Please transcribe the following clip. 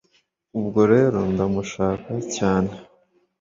ubwo rero ndamushaka cyane